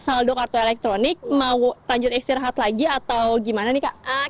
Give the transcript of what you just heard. saldo kartu elektronik mau lanjut istirahat lagi atau gimana nih kak